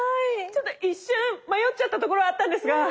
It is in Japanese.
ちょっと一瞬迷っちゃったところあったんですが。